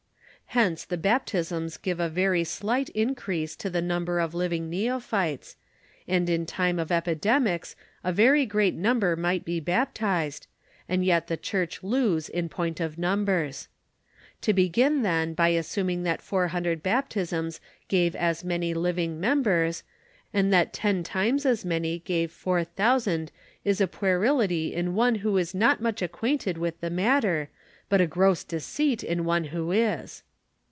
Hence the baptisms gave a very slight increase to the number of living neophytes, and in time of epidemics, a very great number might be baptized, and yet the church lose in point of numbers. To begin then by assuming that 400 baptisms gave as many living members, and that ten times as many gave 4,000 is a puerility in one who is not much acquainted with the matter, but a gross deceit in one who is.